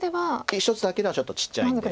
１つだけではちょっとちっちゃいんで。